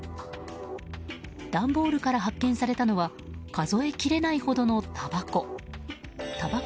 段ボールから発見されたのは数えきれないほどのたばこ。